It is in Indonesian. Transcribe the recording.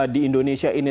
di indonesia ini